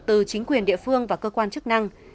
từ chính quyền địa phương và cơ quan chức năng